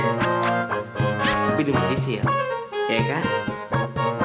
tapi demi si sil ya kan